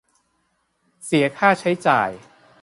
เสียค่าใช้จ่าย